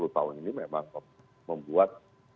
dua puluh tahun ini memang membuat